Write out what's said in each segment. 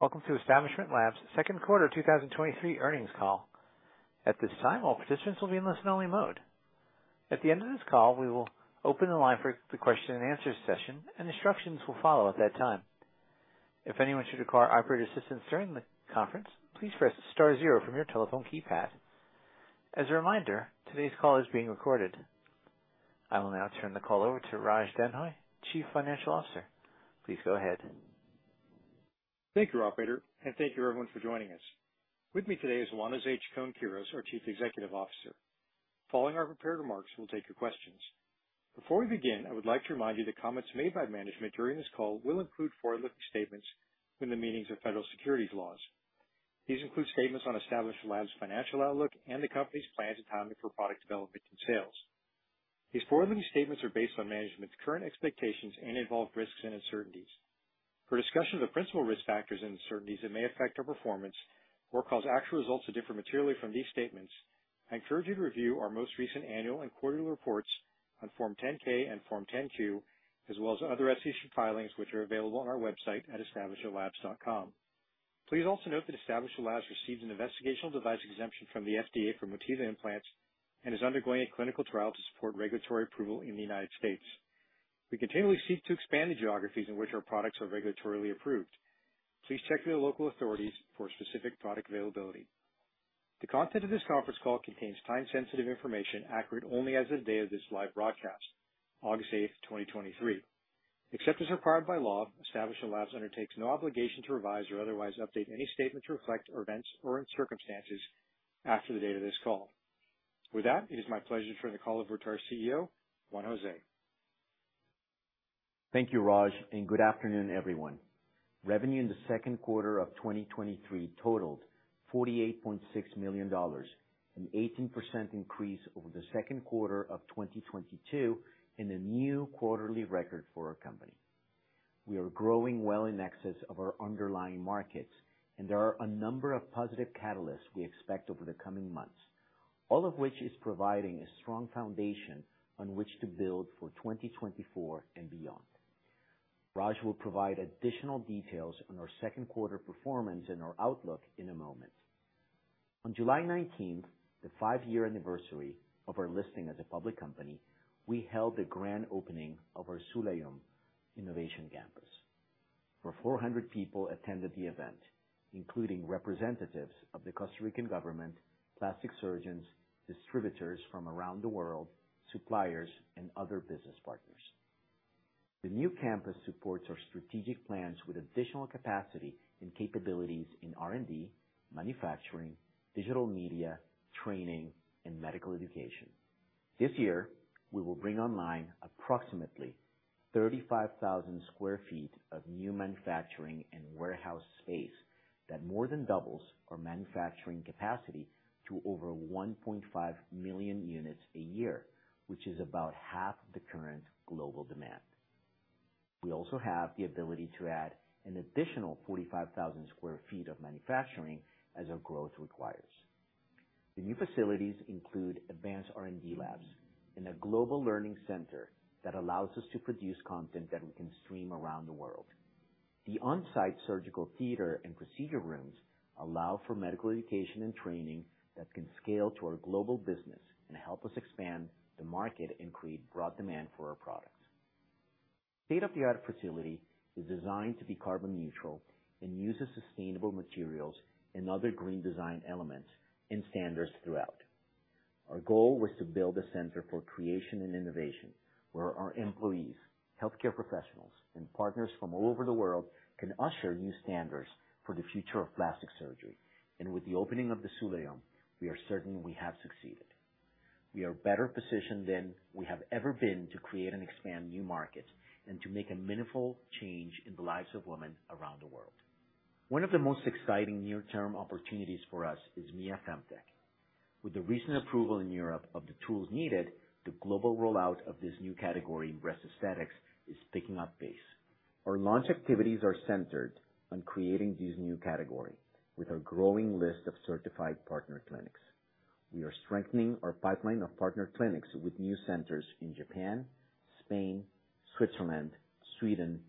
Welcome to Establishment Labs' second quarter 2023 earnings call. At this time, all participants will be in listen-only mode. At the end of this call, we will open the line for the question and answer session, and instructions will follow at that time. If anyone should require operator assistance during the conference, please press star 0 from your telephone keypad. As a reminder, today's call is being recorded. I will now turn the call over to Raj Denhoy, Chief Financial Officer. Please go ahead. Thank you, operator. Thank you everyone for joining us. With me today is Juan José Chacón-Quirós, our Chief Executive Officer. Following our prepared remarks, we'll take your questions. Before we begin, I would like to remind you that comments made by management during this call will include forward-looking statements in the meanings of federal securities laws. These include statements on Establishment Labs' financial outlook and the company's plans and timing for product development and sales. These forward-looking statements are based on management's current expectations and involve risks and uncertainties. For discussion of the principal risk factors and uncertainties that may affect our performance or cause actual results to differ materially from these statements, I encourage you to review our most recent annual and quarterly reports on Form 10-K and Form 10-Q, as well as other SEC filings, which are available on our website at establishmentlabs.com. Please also note that Establishment Labs receives an Investigational Device Exemption from the FDA for Motiva implants and is undergoing a clinical trial to support regulatory approval in the United States. We continually seek to expand the geographies in which our products are regulatorily approved. Please check with your local authorities for specific product availability. The content of this conference call contains time-sensitive information, accurate only as of the day of this live broadcast, August 8, 2023. Except as required by law, Establishment Labs undertakes no obligation to revise or otherwise update any statement to reflect events or circumstances after the date of this call. With that, it is my pleasure to turn the call over to our CEO, Juan José. Thank you, Raj, and good afternoon, everyone. Revenue in the second quarter of 2023 totaled $48.6 million, an 18% increase over the second quarter of 2022 and a new quarterly record for our company. We are growing well in excess of our underlying markets. There are a number of positive catalysts we expect over the coming months, all of which is providing a strong foundation on which to build for 2024 and beyond. Raj will provide additional details on our second quarter performance and our outlook in a moment. On July 19th, the 5-year anniversary of our listing as a public company, we held the grand opening of our Sulàyöm Innovation Campus, where 400 people attended the event, including representatives of the Costa Rican government, plastic surgeons, distributors from around the world, suppliers, and other business partners. The new campus supports our strategic plans with additional capacity and capabilities in R&D, manufacturing, digital media, training, and medical education. This year, we will bring online approximately 35,000 sq ft of new manufacturing and warehouse space that more than doubles our manufacturing capacity to over 1.5 million units a year, which is about half the current global demand. We also have the ability to add an additional 45,000 sq ft of manufacturing as our growth requires. The new facilities include advanced R&D labs and a global learning center that allows us to produce content that we can stream around the world. The on-site surgical theater and procedure rooms allow for medical education and training that can scale to our global business and help us expand the market and create broad demand for our products. State-of-the-art facility is designed to be carbon neutral and uses sustainable materials and other green design elements and standards throughout. Our goal was to build a center for creation and innovation, where our employees, healthcare professionals, and partners from all over the world can usher new standards for the future of plastic surgery. With the opening of the Sulàyöm, we are certain we have succeeded. We are better positioned than we have ever been to create and expand new markets and to make a meaningful change in the lives of women around the world. One of the most exciting near-term opportunities for us is Mia Femtech. With the recent approval in Europe of the tools needed, the global rollout of this new category, breast aesthetics, is picking up pace. Our launch activities are centered on creating this new category with a growing list of certified partner clinics. We are strengthening our pipeline of partner clinics with new centers in Japan, Spain, Switzerland, Sweden,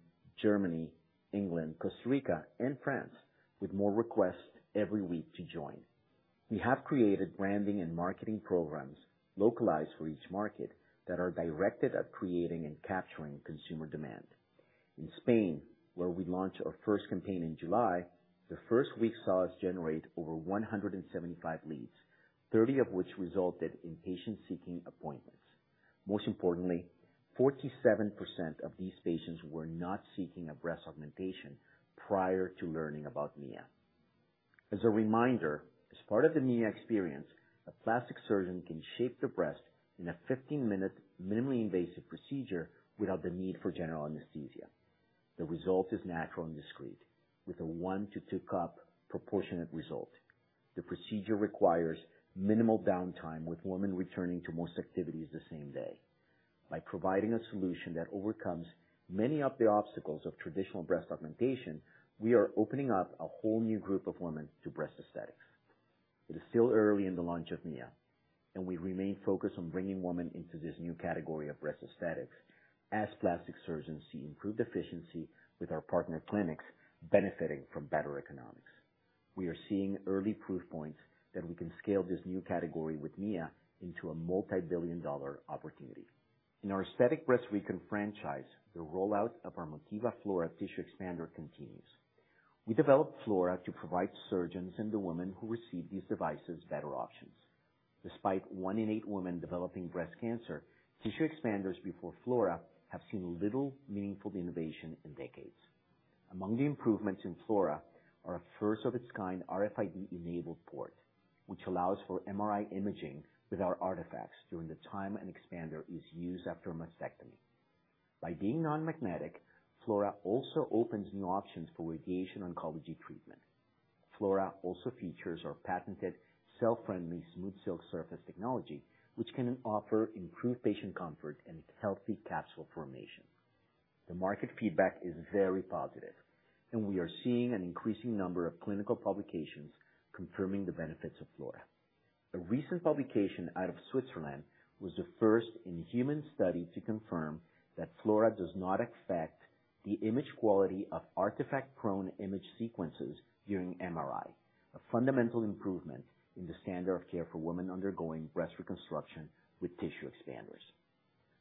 Germany, England, Costa Rica, and France, with more requests every week to join. We have created branding and marketing programs localized for each market that are directed at creating and capturing consumer demand. In Spain, where we launched our first campaign in July, the first week saw us generate over 175 leads, 30 of which resulted in patients seeking appointments. Most importantly, 47% of these patients were not seeking a breast augmentation prior to learning about Mia. As a reminder, as part of the Mia experience, a plastic surgeon can shape the breast in a 15-minute minimally invasive procedure without the need for general anesthesia. The result is natural and discreet, with a one to two cup proportionate result. The procedure requires minimal downtime, with women returning to most activities the same day. By providing a solution that overcomes many of the obstacles of traditional breast augmentation, we are opening up a whole new group of women to breast aesthetics. It is still early in the launch of Mia, and we remain focused on bringing women into this new category of breast aesthetics as plastic surgeons see improved efficiency with our partner clinics benefiting from better economics. We are seeing early proof points that we can scale this new category with Mia into a multibillion-dollar opportunity. In our aesthetic breast recon franchise, the rollout of our Motiva Flora tissue expander continues. We developed Flora to provide surgeons and the women who receive these devices better options. Despite one in eight women developing breast cancer, tissue expanders before Flora have seen little meaningful innovation in decades. Among the improvements in Flora are a first-of-its-kind RFID-enabled port, which allows for MRI imaging without artifacts during the time an expander is used after a mastectomy. By being non-magnetic, Flora also opens new options for radiation oncology treatment. Flora also features our patented cell-friendly SmoothSilk surface technology, which can offer improved patient comfort and healthy capsule formation. The market feedback is very positive, and we are seeing an increasing number of clinical publications confirming the benefits of Flora. A recent publication out of Switzerland was the first in human study to confirm that Flora does not affect the image quality of artifact-prone image sequences during MRI, a fundamental improvement in the standard of care for women undergoing breast reconstruction with tissue expanders.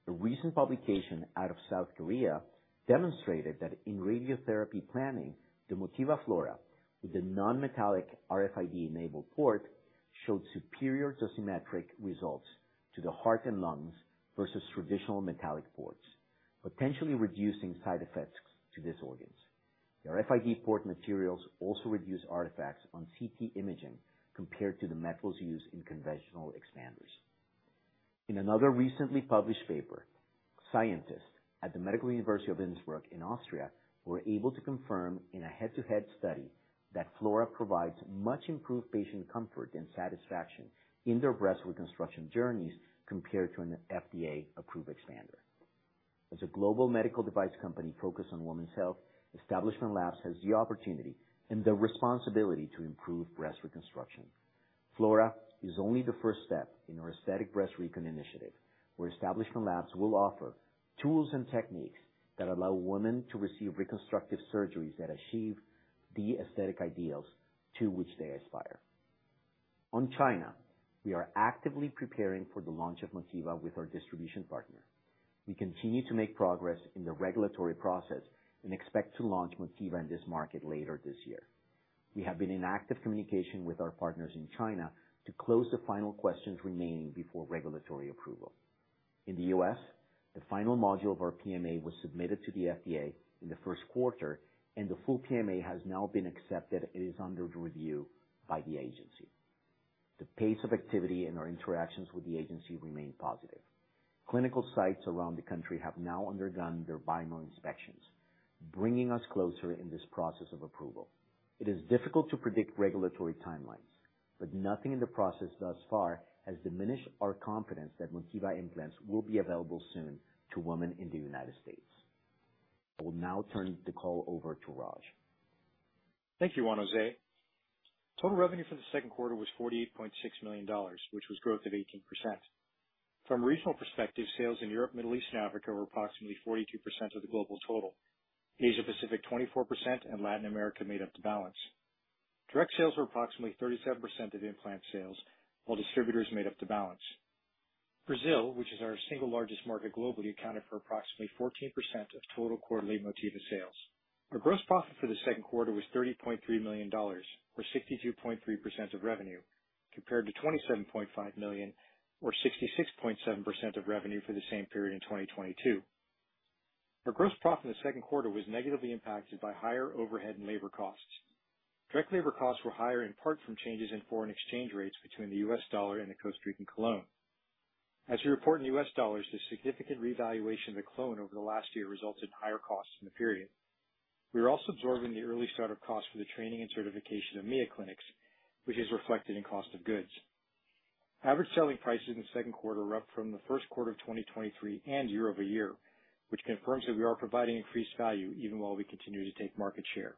A recent publication out of South Korea demonstrated that in radiotherapy planning, the Motiva Flora, with a non-metallic RFID-enabled port, showed superior dosimetric results to the heart and lungs versus traditional metallic ports, potentially reducing side effects to these organs. The RFID port materials also reduce artifacts on CT imaging compared to the metals used in conventional expanders. In another recently published paper, scientists at the Medical University of Innsbruck in Austria were able to confirm in a head-to-head study that Flora provides much improved patient comfort and satisfaction in their breast reconstruction journeys compared to an FDA-approved expander. As a global medical device company focused on women's health, Establishment Labs has the opportunity and the responsibility to improve breast reconstruction. Flora is only the first step in our aesthetic breast recon initiative, where Establishment Labs will offer tools and techniques that allow women to receive reconstructive surgeries that achieve the aesthetic ideals to which they aspire. On China, we are actively preparing for the launch of Motiva with our distribution partner. We continue to make progress in the regulatory process and expect to launch Motiva in this market later this year. We have been in active communication with our partners in China to close the final questions remaining before regulatory approval. In the U.S., the final module of our PMA was submitted to the FDA in the first quarter, and the full PMA has now been accepted and is under review by the agency. The pace of activity and our interactions with the agency remain positive. Clinical sites around the country have now undergone their BIMO inspections, bringing us closer in this process of approval. It is difficult to predict regulatory timelines, nothing in the process thus far has diminished our confidence that Motiva implants will be available soon to women in the United States. I will now turn the call over to Raj. Thank you, Juan José. Total revenue for the second quarter was $48.6 million, which was growth of 18%. From a regional perspective, sales in Europe, Middle East, and Africa were approximately 42% of the global total. Asia Pacific, 24%, and Latin America made up the balance. Direct sales were approximately 37% of implant sales, while distributors made up the balance. Brazil, which is our single largest market globally, accounted for approximately 14% of total quarterly Motiva sales. Our gross profit for the second quarter was $30.3 million, or 62.3% of revenue, compared to $27.5 million or 66.7% of revenue for the same period in 2022. Our gross profit in the second quarter was negatively impacted by higher overhead and labor costs. Direct labor costs were higher in part from changes in foreign exchange rates between the US dollar and the Costa Rican colón. As we report in US dollars, the significant revaluation of the colón over the last year resulted in higher costs in the period. We are also absorbing the early start-up costs for the training and certification of Mia clinics, which is reflected in cost of goods. Average selling prices in the second quarter were up from the first quarter of 2023 and year-over-year, which confirms that we are providing increased value even while we continue to take market share.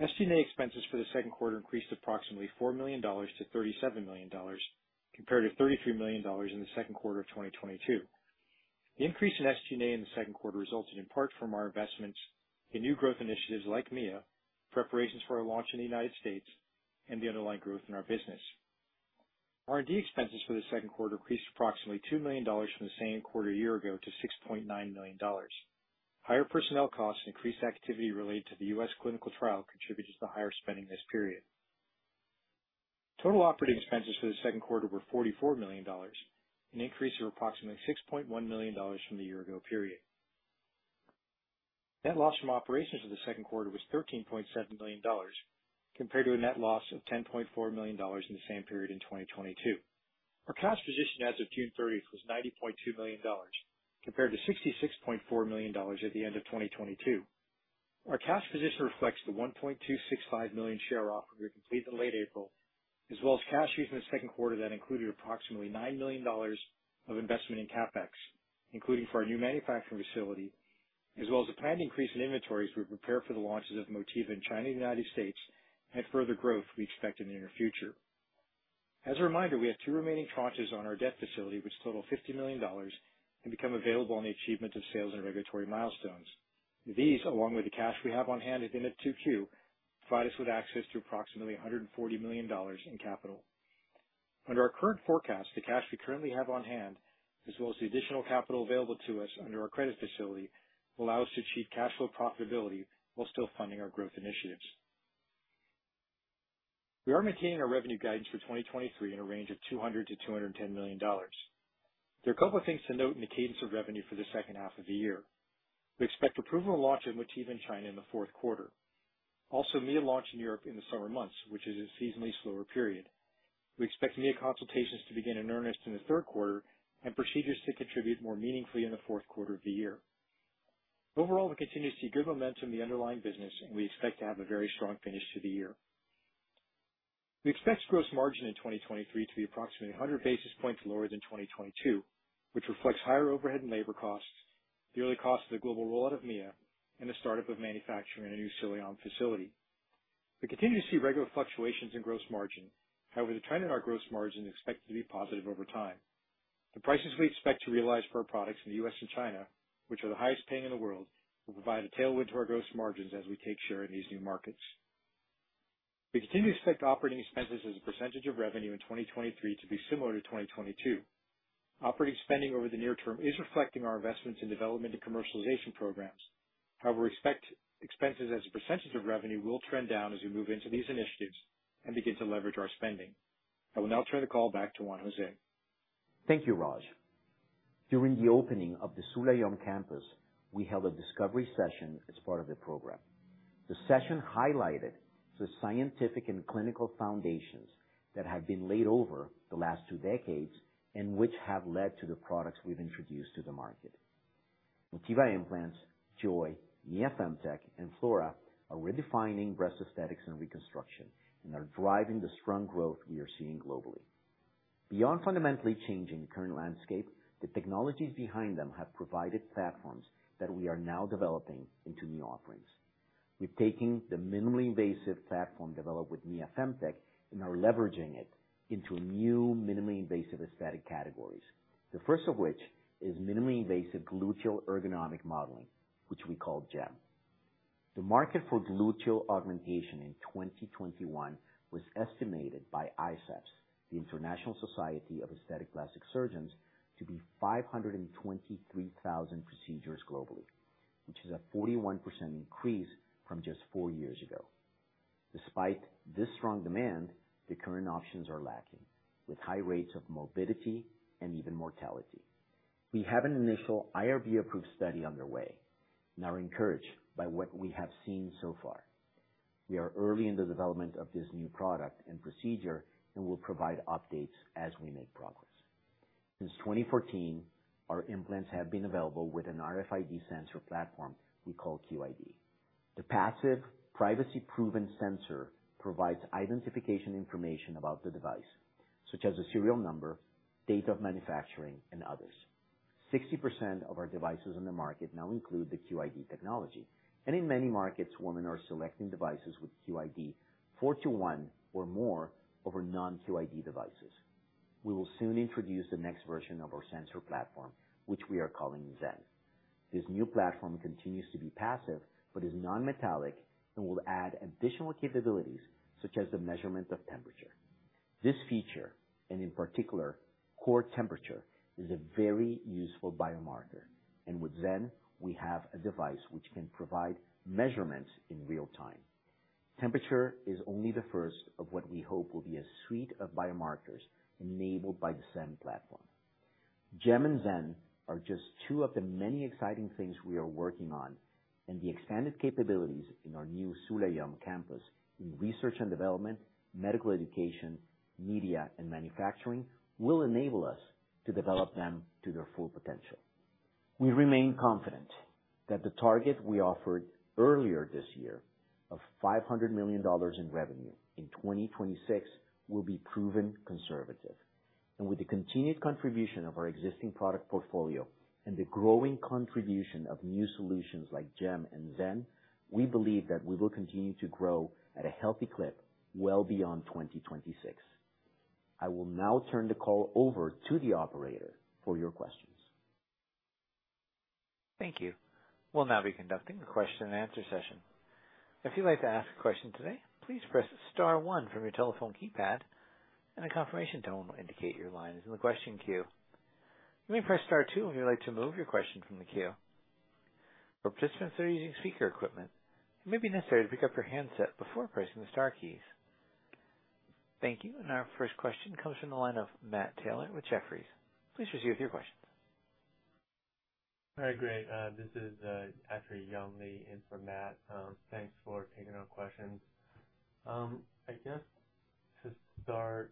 SG&A expenses for the second quarter increased approximately $4 million to $37 million, compared to $33 million in the second quarter of 2022. The increase in SG&A in the second quarter resulted in part from our investments in new growth initiatives like Mia, preparations for our launch in the United States, and the underlying growth in our business. R&D expenses for the second quarter increased approximately $2 million from the same quarter a year ago to $6.9 million. Higher personnel costs and increased activity related to the U.S. clinical trial contributed to the higher spending this period. Total operating expenses for the second quarter were $44 million, an increase of approximately $6.1 million from the year-ago period. Net loss from operations for the second quarter was $13.7 million, compared to a net loss of $10.4 million in the same period in 2022. Our cash position as of June thirtieth was $90.2 million, compared to $66.4 million at the end of 2022. Our cash position reflects the 1.265 million share offering we completed in late April, as well as cash use in the second quarter that included approximately $9 million of investment in CapEx, including for our new manufacturing facility, as well as a planned increase in inventories, we prepare for the launches of Motiva in China and the United States and further growth we expect in the near future. As a reminder, we have two remaining tranches on our debt facility, which total $50 million and become available on the achievement of sales and regulatory milestones. These, along with the cash we have on hand at the end of 2Q, provide us with access to approximately $140 million in capital. Under our current forecast, the cash we currently have on hand, as well as the additional capital available to us under our credit facility, will allow us to achieve cash flow profitability while still funding our growth initiatives. We are maintaining our revenue guidance for 2023 in a range of $200 million-$210 million. There are a couple of things to note in the cadence of revenue for the second half of the year. We expect approval and launch of Motiva in China in the fourth quarter. Mia launch in Europe in the summer months, which is a seasonally slower period. We expect Mia consultations to begin in earnest in the third quarter and procedures to contribute more meaningfully in the fourth quarter of the year. Overall, we continue to see good momentum in the underlying business, and we expect to have a very strong finish to the year. We expect gross margin in 2023 to be approximately 100 basis points lower than 2022, which reflects higher overhead and labor costs, the early costs of the global rollout of Mia, and the startup of manufacturing in a new Sulàyöm facility. We continue to see regular fluctuations in gross margin. However, the trend in our gross margin is expected to be positive over time. The prices we expect to realize for our products in the US and China, which are the highest paying in the world, will provide a tailwind to our gross margins as we take share in these new markets. We continue to expect operating expenses as a % of revenue in 2023 to be similar to 2022. Operating spending over the near term is reflecting our investments in development and commercialization programs. We expect expenses as a % of revenue will trend down as we move into these initiatives and begin to leverage our spending. I will now turn the call back to Juan José. Thank you, Raj. During the opening of the Sulàyöm campus, we held a discovery session as part of the program. The session highlighted the scientific and clinical foundations that have been laid over the last two decades, which have led to the products we've introduced to the market. Motiva implants, Joy, Mia Femtech, and Flora are redefining breast aesthetics and reconstruction and are driving the strong growth we are seeing globally. Beyond fundamentally changing the current landscape, the technologies behind them have provided platforms that we are now developing into new offerings. We've taken the minimally invasive platform developed with Mia Femtech and are leveraging it into new minimally invasive aesthetic categories, the first of which is minimally invasive gluteal ergonomic modeling, which we call GEM. The market for gluteal augmentation in 2021 was estimated by ISAPS, the International Society of Aesthetic Plastic Surgery, to be 523,000 procedures globally, which is a 41% increase from just four years ago. Despite this strong demand, the current options are lacking, with high rates of morbidity and even mortality. We have an initial IRB-approved study underway and are encouraged by what we have seen so far. We are early in the development of this new product and procedure and will provide updates as we make progress. Since 2014, our implants have been available with an RFID sensor platform we call Qid. The passive, privacy-proven sensor provides identification information about the device, such as the serial number, date of manufacturing, and others. 60% of our devices on the market now include the Qid technology, and in many markets, women are selecting devices with Qid 4 to 1 or more over non-Qid devices. We will soon introduce the next version of our sensor platform, which we are calling Zen. This new platform continues to be passive, but is non-metallic and will add additional capabilities, such as the measurement of temperature. This feature, and in particular, core temperature, is a very useful biomarker, and with Zen, we have a device which can provide measurements in real time. Temperature is only the first of what we hope will be a suite of biomarkers enabled by the Zen platform. GEM and Zen are just two of the many exciting things we are working on. The expanded capabilities in our new Sulàyöm campus in research and development, medical education, media, and manufacturing will enable us to develop them to their full potential. We remain confident that the target we offered earlier this year of $500 million in revenue in 2026 will be proven conservative. With the continued contribution of our existing product portfolio and the growing contribution of new solutions like GEM and Zen, we believe that we will continue to grow at a healthy clip well beyond 2026. I will now turn the call over to the operator for your questions. Thank you. We'll now be conducting a question and answer session. If you'd like to ask a question today, please press star one from your telephone keypad and a confirmation tone will indicate your line is in the question queue. You may press star two if you'd like to remove your question from the queue. For participants that are using speaker equipment, it may be necessary to pick up your handset before pressing the star keys. Thank you. Our first question comes from the line of Matt Taylor with Jefferies. Please proceed with your questions. All right, great. This is actually, Young Li in for Matt. Thanks for taking our questions. I guess to start,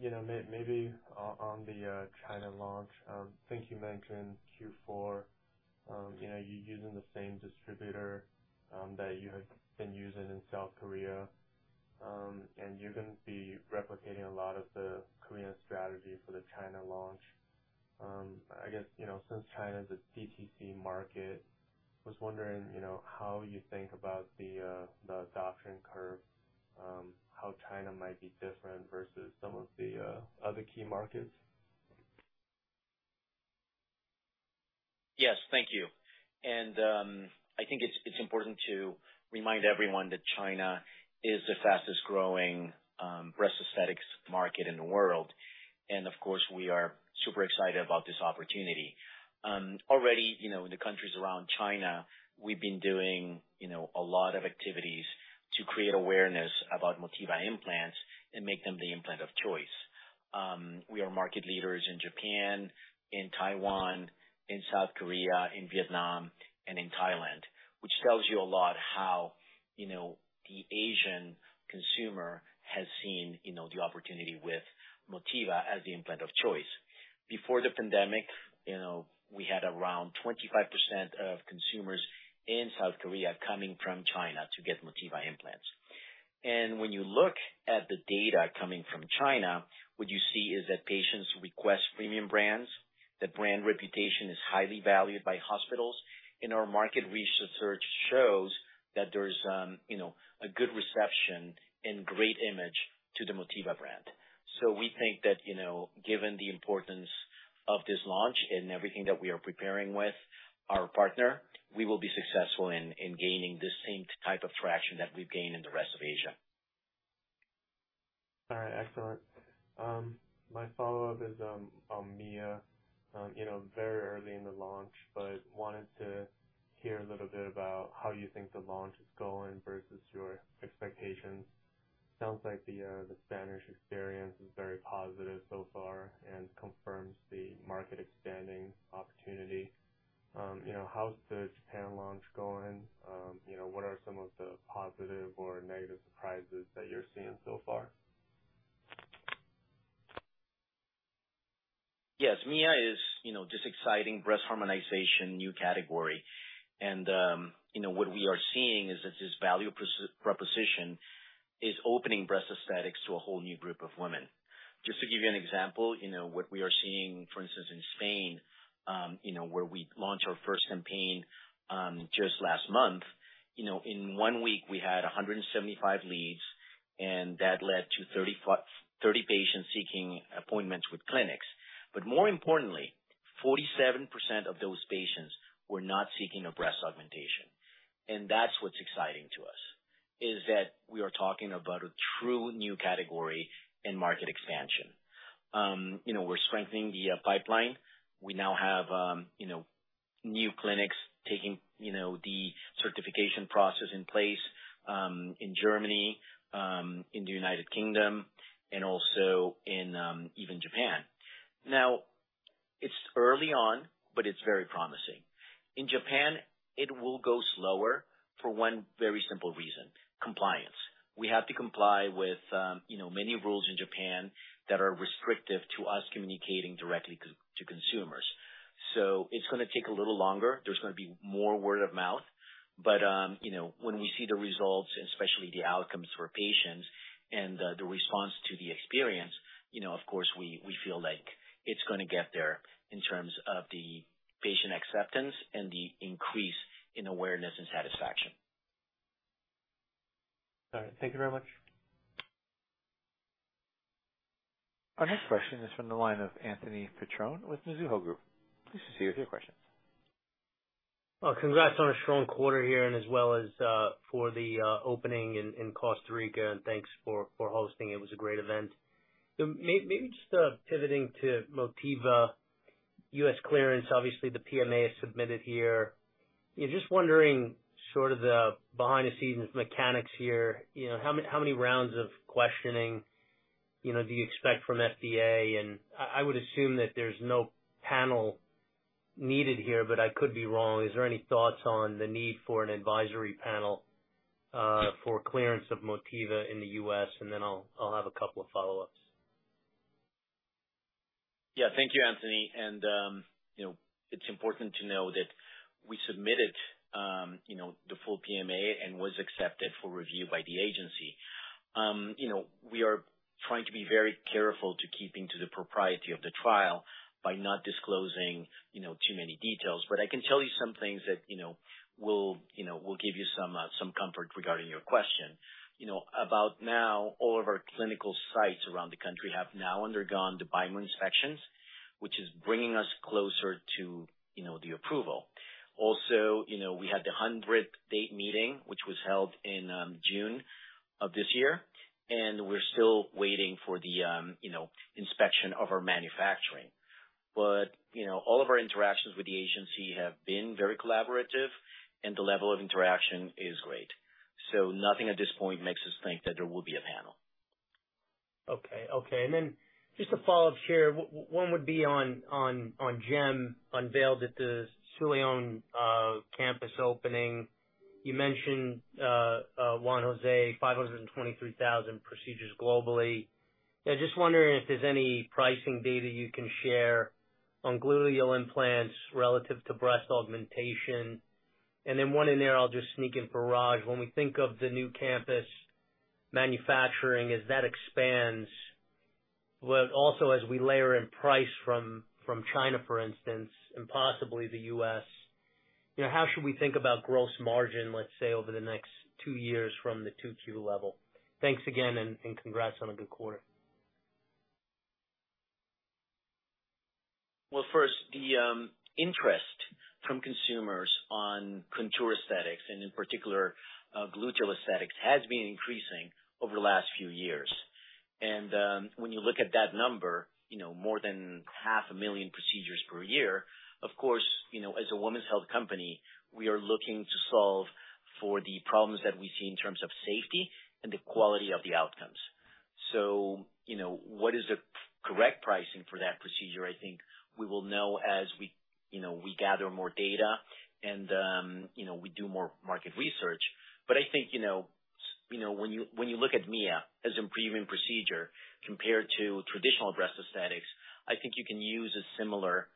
you know, maybe on the China launch, I think you mentioned Q4. You know, you're using the same distributor that you had been using in South Korea. And you're going to be replicating a lot of the Korean strategy for the China launch. I guess, you know, since China is a DTC market, I was wondering, you know, how you think about the adoption curve, how China might be different versus some of the other key markets? Yes, thank you. I think it's, it's important to remind everyone that China is the fastest growing breast aesthetics market in the world. Of course, we are super excited about this opportunity. Already, you know, in the countries around China, we've been doing, you know, a lot of activities to create awareness about Motiva implants and make them the implant of choice. We are market leaders in Japan, in Taiwan, in South Korea, in Vietnam, and in Thailand, which tells you a lot how, you know, the Asian consumer has seen, you know, the opportunity with Motiva as the implant of choice. Before the pandemic, you know, we had around 25% of consumers in South Korea coming from China to get Motiva implants. When you look at the data coming from China, what you see is that patients request premium brands, that brand reputation is highly valued by hospitals, and our market research shows that there's, you know, a good reception and great image to the Motiva brand. We think that, you know, given the importance of this launch and everything that we are preparing with our partner, we will be successful in, in gaining the same type of traction that we've gained in the rest of Asia. All right. Excellent. My follow-up is, on Mia. You know, very early in the launch, but wanted to hear a little bit about how you think the launch is going versus your expectations. Sounds like the, the Spanish experience is very positive so far and confirms the market expanding opportunity. You know, how's the Japan launch going? You know, what are some of the positive or negative surprises that you're seeing so far? Yes, Mia is, you know, this exciting breast harmonization, new category. you know, what we are seeing is that this value preposition is opening breast aesthetics to a whole new group of women. Just to give you an example, you know, what we are seeing, for instance, in Spain, you know, where we launched our first campaign, just last month. You know, in 1 week, we had 175 leads, and that led to 30 patients seeking appointments with clinics. More importantly, 47% of those patients were not seeking a breast augmentation. That's what's exciting to us, is that we are talking about a true new category in market expansion. you know, we're strengthening the pipeline. We now have, you know, new clinics taking, you know, the certification process in place, in Germany, in the United Kingdom, and also in, even Japan. It's early on, but it's very promising. In Japan, it will go slower for one very simple reason: compliance. We have to comply with, you know, many rules in Japan that are restrictive to us communicating directly co- to consumers. It's going to take a little longer. There's going to be more word of mouth. When we see the results, especially the outcomes for patients and the response to the experience, you know, of course, we, we feel like it's going to get there in terms of the patient acceptance and the increase in awareness and satisfaction. All right. Thank you very much. Our next question is from the line of Anthony Petrone with Mizuho Group. Please proceed with your questions. Well, congrats on a strong quarter here as well as for the opening in Costa Rica, and thanks for, for hosting. It was a great event. Maybe just pivoting to Motiva U.S. clearance, obviously, the PMA is submitted here. Just wondering, sort of the behind-the-scenes mechanics here, you know, how many rounds of questioning, you know, do you expect from FDA? I, I would assume that there's no panel needed here, but I could be wrong. Is there any thoughts on the need for an advisory panel for clearance of Motiva in the U.S.? I'll, I'll have a couple of follow-ups. Yeah. Thank you, Anthony. You know, it's important to know that we submitted, you know, the full PMA and was accepted for review by the agency. You know, we are trying to be very careful to keeping to the propriety of the trial by not disclosing, you know, too many details. I can tell you some things that, you know, will, you know, will give you some comfort regarding your question. You know, about now, all of our clinical sites around the country have now undergone the BIMO inspections, which is bringing us closer to, you know, the approval. You know, we had the Investor Day, which was held in June of this year, and we're still waiting for the, you know, inspection of our manufacturing. You know, all of our interactions with the agency have been very collaborative, and the level of interaction is great. Nothing at this point makes us think that there will be a panel. Okay. Okay, then just a follow-up here. One would be on GEM, unveiled at the Sulàyöm campus opening. You mentioned Juan José, 523,000 procedures globally. I'm just wondering if there's any pricing data you can share on gluteal implants relative to breast augmentation? Then one in there, I'll just sneak in for Raj. When we think of the new campus manufacturing, as that expands, but also as we layer in price from China, for instance, and possibly the U.S., you know, how should we think about gross margin, let's say, over the next 2 years from the 2Q level? Thanks again, and congrats on a good quarter. Well, first, the interest from consumers on contour aesthetics, and in particular, gluteal aesthetics, has been increasing over the last few years. When you look at that number, you know, more than 500,000 procedures per year, of course, you know, as a women's health company, we are looking to solve for the problems that we see in terms of safety and the quality of the outcomes. You know, what is the correct pricing for that procedure? I think we will know as we, you know, we gather more data and, you know, we do more market research. I think, you know, you know, when you, when you look at Mia as improving procedure compared to traditional breast aesthetics, I think you can use a similar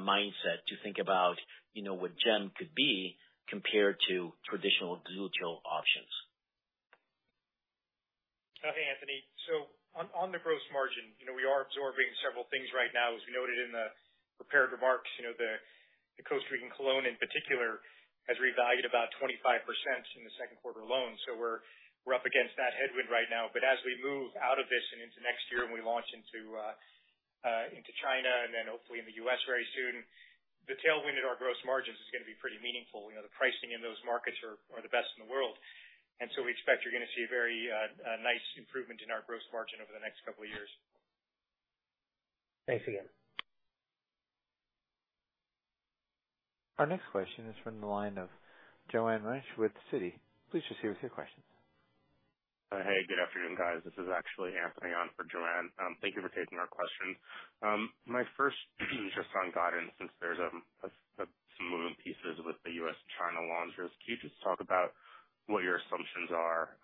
mindset to think about, you know, what GEM could be compared to traditional gluteal options. Hey, Anthony. On, on the gross margin, you know, we are absorbing several things right now. As we noted in the prepared remarks, you know, the, the cost in Colón, in particular, has revalued about 25% in the second quarter alone. We're, we're up against that headwind right now, but as we move out of this and into next year, and we launch into China and then hopefully in the U.S. very soon, the tailwind in our gross margins is going to be pretty meaningful. You know, the pricing in those markets are, are the best in the world. We expect you're going to see a very, a nice improvement in our gross margin over the next couple of years. Thanks again. Our next question is from the line of Joanne Wuensch with Citi. Please proceed with your question. Hey, good afternoon, guys. This is actually Anthony on for Joanne. Thank you for taking our question. My first just on guidance, since there's some moving pieces with the US, China launches, can you just talk about what your assumptions are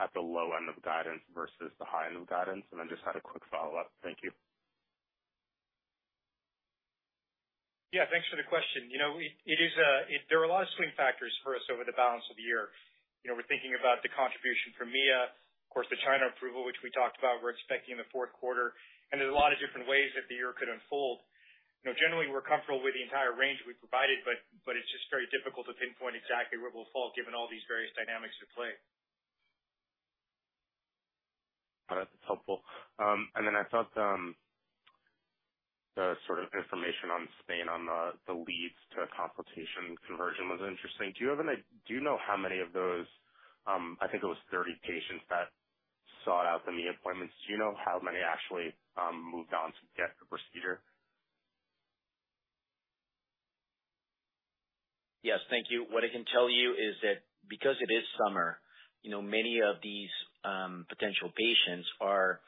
at the low end of the guidance versus the high end of guidance? I just had a quick follow-up. Thank you. Yeah, thanks for the question. You know, it, it is, there are a lot of swing factors for us over the balance of the year. You know, we're thinking about the contribution from Mia, of course, the China approval, which we talked about, we're expecting in the fourth quarter, and there's a lot of different ways that the year could unfold. You know, generally, we're comfortable with the entire range we've provided, but it's just very difficult to pinpoint exactly where we'll fall, given all these various dynamics at play. Got it. That's helpful. I thought the sort of information on Spain, on the, the leads to a consultation conversion was interesting. Do you know how many of those, I think it was 30 patients that sought out the Mia appointments. Do you know how many actually moved on to get the procedure? Yes, thank you. What I can tell you is that because it is summer, you know, many of these potential patients are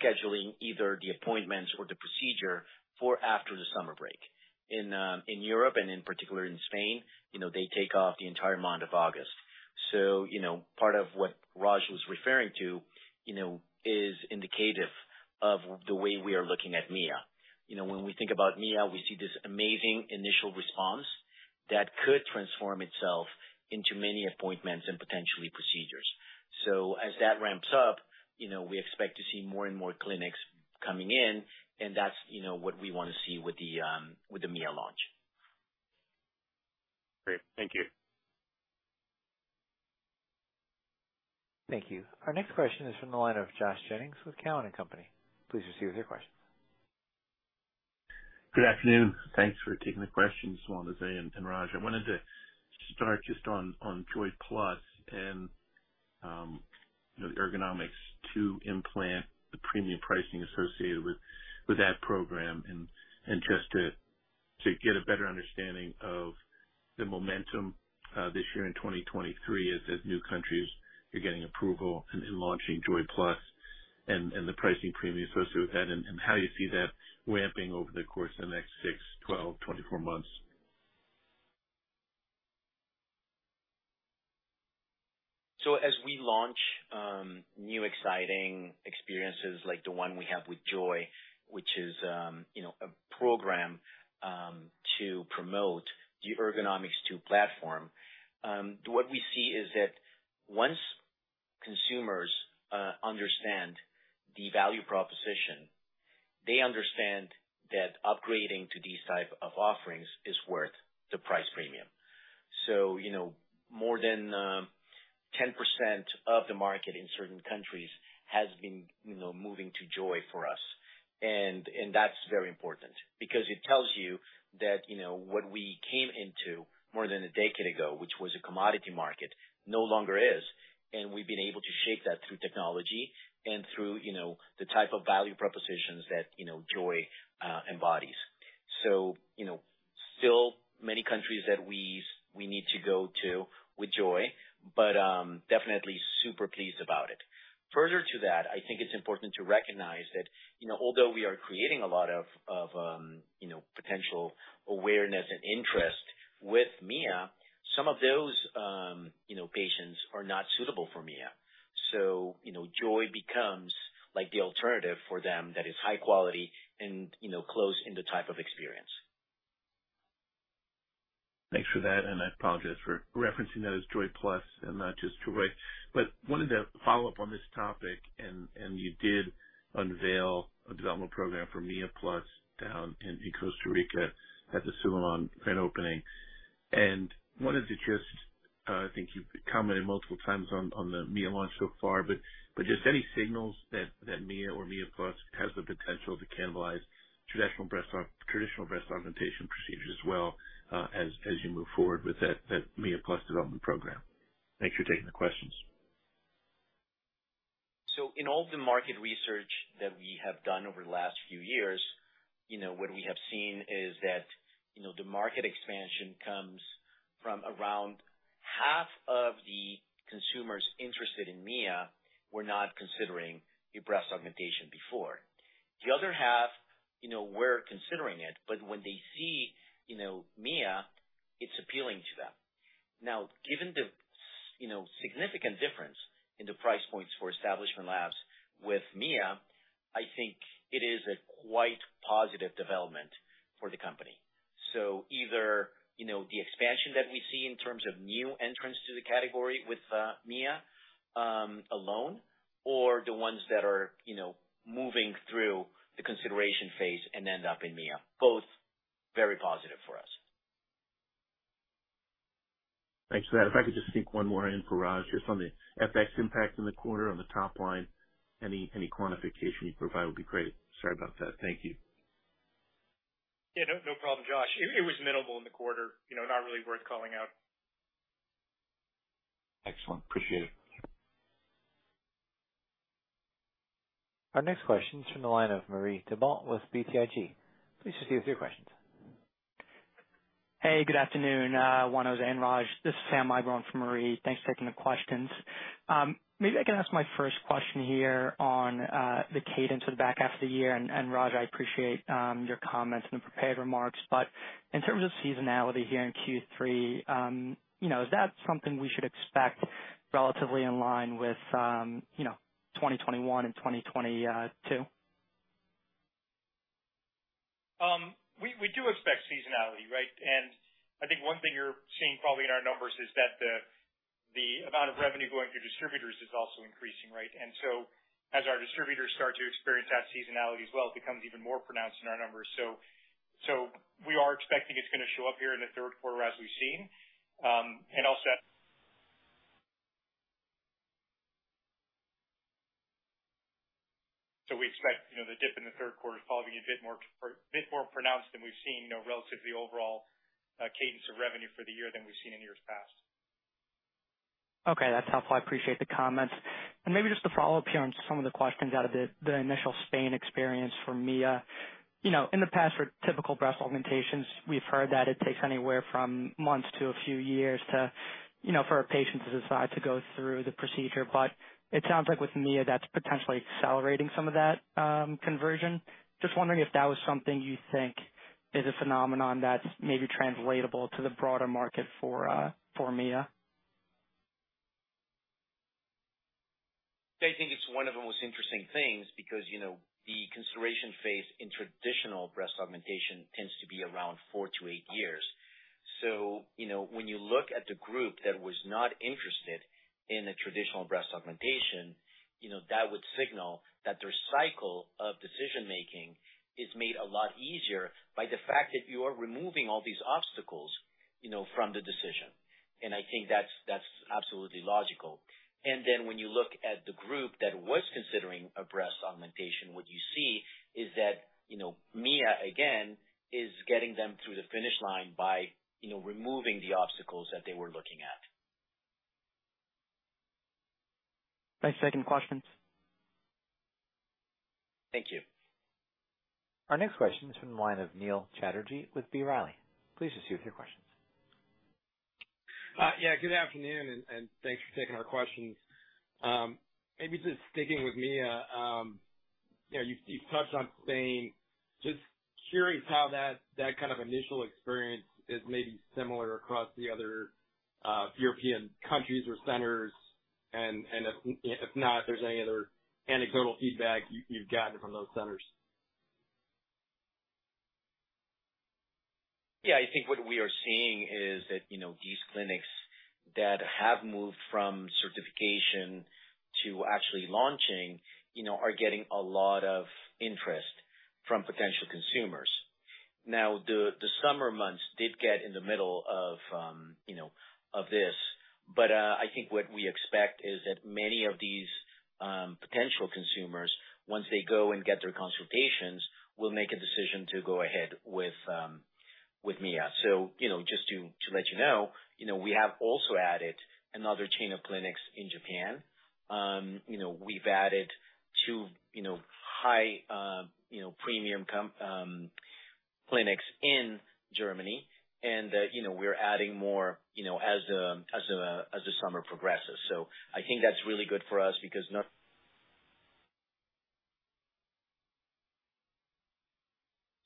scheduling either the appointments or the procedure for after the summer break. In Europe and in particular in Spain, you know, they take off the entire month of August. You know, part of what Raj was referring to, you know, is indicative of the way we are looking at Mia. You know, when we think about Mia, we see this amazing initial response that could transform itself into many appointments and potentially procedures. As that ramps up, you know, we expect to see more and more clinics coming in, and that's, you know, what we want to see with the Mia launch. Great. Thank you. Thank you. Our next question is from the line of Josh Jennings with Cowen and Company. Please proceed with your question. Good afternoon. Thanks for taking the questions, Juan José and, and Raj. I wanted to start just on, on Joy Plus and, you know, the Ergonomix2 implant the premium pricing associated with, with that program, and, and just to, to get a better understanding of the momentum, this year in 2023 as the new countries are getting approval and, and launching Joy Plus, and, and the pricing premium associated with that, and, and how you see that ramping over the course of the next 6, 12, 24 months. As we launch new, exciting experiences like the one we have with Joy, which is, you know, a program to promote the Ergonomix2 platform, what we see is that once consumers understand the value proposition, they understand that upgrading to these type of offerings is worth the price premium. You know, more than 10% of the market in certain countries has been, you know, moving to Joy for us. And that's very important because it tells you that, you know, what we came into more than a decade ago, which was a commodity market, no longer is, and we've been able to shape that through technology and through, you know, the type of value propositions that, you know, Joy embodies. You know, still many countries that we we need to go to with Joy, but definitely super pleased about it. Further to that, I think it's important to recognize that, you know, although we are creating a lot of, of, you know, potential awareness and interest with Mia, some of those patients are not suitable for Mia. You know, Joy becomes like the alternative for them that is high quality and, you know, close in the type of experience. Thanks for that, and I apologize for referencing that as Joy Plus and not just Joy. Wanted to follow up on this topic, and you did unveil a development program for Mia Plus down in Costa Rica at the Sulàyöm grand opening. Wanted to just, I think you've commented multiple times on the Mia launch so far, but just any signals that Mia or Mia Plus has the potential to cannibalize traditional breast augmentation procedures as well, as you move forward with that Mia Plus development program? Thanks for taking the questions. In all the market research that we have done over the last few years, you know, what we have seen is that, you know, the market expansion comes from around half of the consumers interested in Mia were not considering a breast augmentation before. The other half, you know, were considering it, but when they see, you know, Mia, it's appealing to them. Now, given the you know, significant difference in the price points for Establishment Labs with Mia, I think it is a quite positive development for the company. Either, you know, the expansion that we see in terms of new entrants to the category with Mia alone, or the ones that are, you know, moving through the consideration phase and end up in Mia, both very positive for us. Thanks for that. If I could just sneak one more in for Raj, just on the FX impact in the quarter on the top line, any, any quantification you provide would be great. Sorry about that. Thank you. Yeah, no, no problem, Josh. It was minimal in the quarter, you know, not really worth calling out. Excellent. Appreciate it. Our next question is from the line of Marie Thibault with BTIG. Please proceed with your questions. Hey, good afternoon, Juano and Raj. This is Sam Eiber for Marie. Thanks for taking the questions. Maybe I can ask my first question here on the cadence of the back half of the year. Raj, I appreciate your comments in the prepared remarks. In terms of seasonality here in Q3, you know, is that something we should expect relatively in line with, you know, 2021 and 2022? We, we do expect seasonality, right? I think one thing you're seeing probably in our numbers is that the, the amount of revenue going through distributors is also increasing, right? As our distributors start to experience that seasonality as well, it becomes even more pronounced in our numbers. So we are expecting it's going to show up here in the third quarter as we've seen. Also, we expect, you know, the dip in the third quarter to probably be a bit more pronounced than we've seen, you know, relative to the overall cadence of revenue for the year than we've seen in years past. Okay, that's helpful. I appreciate the comments. Maybe just to follow up here on some of the questions out of the, the initial Spain experience for Mia. You know, in the past, for typical breast augmentations, we've heard that it takes anywhere from months to a few years to, you know, for a patient to decide to go through the procedure. But it sounds like with Mia, that's potentially accelerating some of that conversion. Just wondering if that was something you think is a phenomenon that's maybe translatable to the broader market for Mia? I think it's one of the most interesting things, because, you know, the consideration phase in traditional breast augmentation tends to be around 4 to 8 years. You know, when you look at the group that was not interested in a traditional breast augmentation, you know, that would signal that their cycle of decision making is made a lot easier by the fact that you are removing all these obstacles, you know, from the decision. I think that's, that's absolutely logical. Then when you look at the group that was considering a breast augmentation, what you see is that, you know, Mia, again, is getting them through the finish line by, you know, removing the obstacles that they were looking at. Thanks. Second questions. Thank you. Our next question is from the line of Neil Chatterji with B. Riley. Please just proceed with your questions. Yeah, good afternoon, and, and thanks for taking our questions. Maybe just sticking with Mia, you know, you, you've touched on Spain. Just curious how that, that kind of initial experience is maybe similar across the other European countries or centers. And, and if, if not, if there's any other anecdotal feedback you, you've gotten from those centers. Yeah, I think what we are seeing is that, you know, these clinics that have moved from certification to actually launching, you know, are getting a lot of interest from potential consumers. Now, the, the summer months did get in the middle of, you know, of this, but I think what we expect is that many of these potential consumers, once they go and get their consultations, will make a decision to go ahead with Mia. You know, just to, to let you know, you know, we have also added another chain of clinics in Japan. You know, we've added two, you know, high, you know, premium clinics in Germany and, you know, we're adding more, you know, as the, as the, as the summer progresses. I think that's really good for us because not-...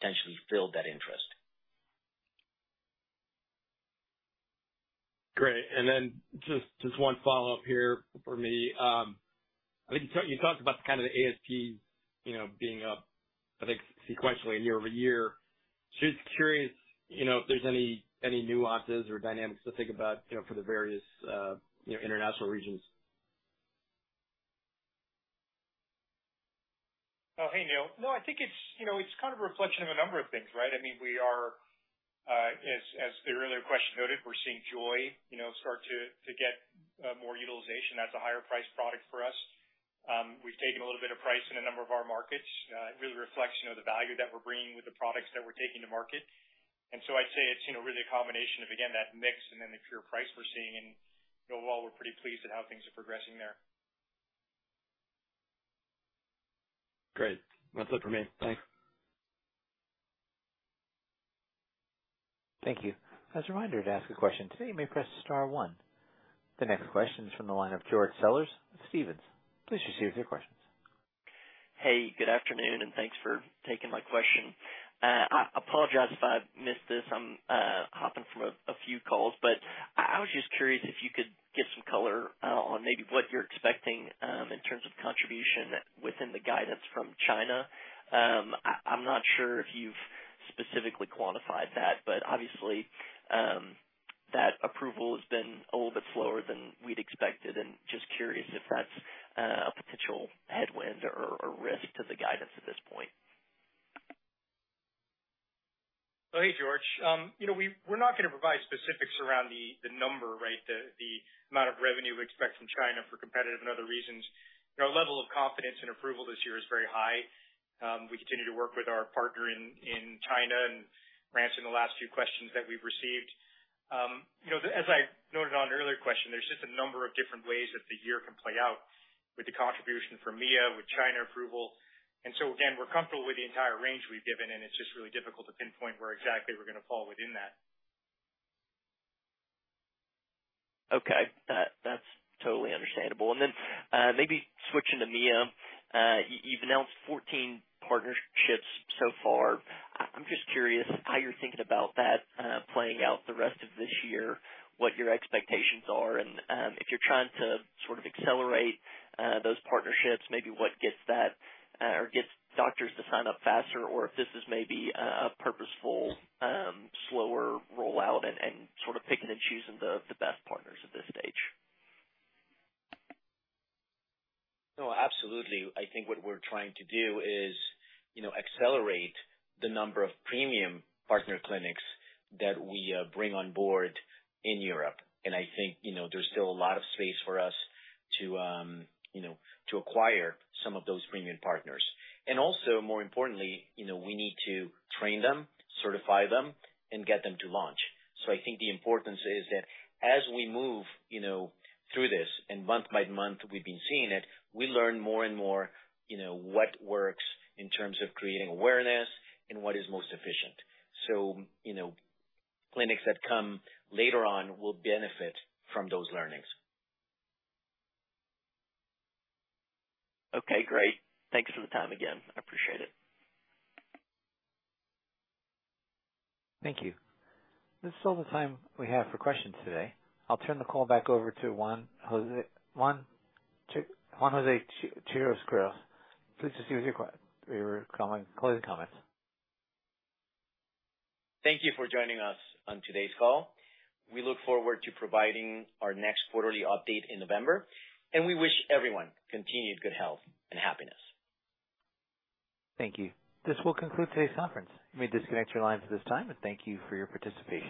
potentially fill that interest. Great. Then just, just one follow-up here for me. I think you talked about kind of the ASP, you know, being up, I think, sequentially year-over-year. Just curious, you know, if there's any, any nuances or dynamics to think about, you know, for the various, you know, international regions? Oh, hey, Neil. No, I think it's, you know, it's kind of a reflection of a number of things, right? I mean, we are, as, as the earlier question noted, we're seeing Joy, you know, start to, to get, more utilization. That's a higher priced product for us. We've taken a little bit of price in a number of our markets. It really reflects, you know, the value that we're bringing with the products that we're taking to market. So I'd say it's, you know, really a combination of, again, that mix and then the pure price we're seeing. Overall, we're pretty pleased at how things are progressing there. Great. That's it for me. Thanks. Thank you. As a reminder, to ask a question today, you may press star 1. The next question is from the line of George Sellers, Stephens. Please proceed with your questions. Hey, good afternoon, and thanks for taking my question. I apologize if I missed this. I'm hopping from a few calls, but I was just curious if you could give some color on maybe what you're expecting in terms of contribution within the guidance from China. I'm not sure if you've specifically quantified that, but obviously, that approval has been a little bit slower than we'd expected. Just curious if that's a potential headwind or risk to the guidance at this point. Oh, hey, George. You know, we're not going to provide specifics around the, the number, right? The, the amount of revenue we expect from China for competitive and other reasons. You know, our level of confidence and approval this year is very high. We continue to work with our partner in, in China and answer the last few questions that we've received. You know, as I noted on an earlier question, there's just a number of different ways that the year can play out with the contribution from Mia, with China approval. So again, we're comfortable with the entire range we've given, and it's just really difficult to pinpoint where exactly we're going to fall within that. Okay. That, that's totally understandable. Maybe switching to Mia. You've announced 14 partnerships so far. I'm just curious how you're thinking about that, playing out the rest of this year, what your expectations are, and, if you're trying to sort of accelerate, those partnerships, maybe what gets that, or gets doctors to sign up faster, or if this is maybe, a purposeful, slower rollout and, and sort of picking and choosing the, the best partners at this stage. No, absolutely. I think what we're trying to do is, you know, accelerate the number of premium partner clinics that we bring on board in Europe. I think, you know, there's still a lot of space for us to, you know, to acquire some of those premium partners. Also, more importantly, you know, we need to train them, certify them, and get them to launch. I think the importance is that as we move, you know, through this and month by month, we've been seeing it, we learn more and more, you know, what works in terms of creating awareness and what is most efficient. You know, clinics that come later on will benefit from those learnings. Okay, great. Thanks for the time again. I appreciate it. Thank you. This is all the time we have for questions today. I'll turn the call back over to Juan José, Juan José Chacón-Quirós. Please just proceed with your comment, closing comments. Thank you for joining us on today's call. We look forward to providing our next quarterly update in November, and we wish everyone continued good health and happiness. Thank you. This will conclude today's conference. You may disconnect your lines at this time, and thank you for your participation.